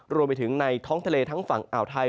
รวมไปถึงในท้องทะเลทั้งฝั่งอ่าวไทย